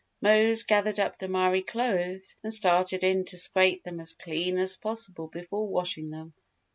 Mose gathered up the miry clothes and started in to scrape them as clean as possible before washing them.